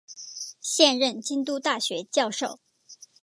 现任京都大学教授。